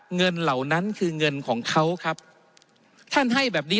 เหล่านั้นคือเงินของเขาครับท่านให้แบบนี้